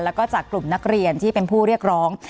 แล้วก็จากกลุ่มนักเรียนที่เป็นผู้เรียกร้อง